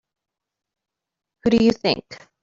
Who do you think?